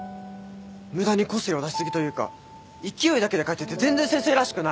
無駄に個性を出し過ぎというか勢いだけで書いてて全然先生らしくない！